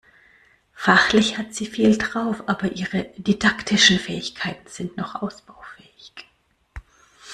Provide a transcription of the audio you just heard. Fachlich hat sie viel drauf, aber ihre didaktischen Fähigkeiten sind noch ausbaufähig.